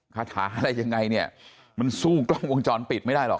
คาถาอะไรยังไงเนี่ยมันสู้กล้องวงจรปิดไม่ได้หรอก